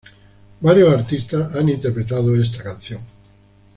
Varios artistas han interpretado esta canción.